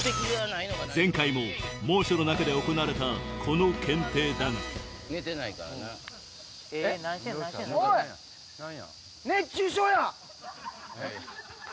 前回も猛暑の中で行われたこの検定だが熱中症や！